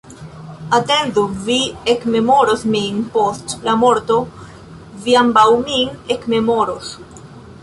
Atendu, vi ekmemoros min post la morto, vi ambaŭ min ekmemoros!